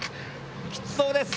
きつそうです。